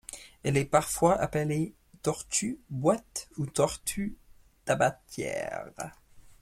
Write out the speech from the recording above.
Elle est parfois appelée Tortue boîte ou Tortue tabatière.